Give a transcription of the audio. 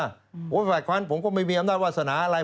ฝ่ายความผมก็ไม่มีอำนาจวาสนาอะไร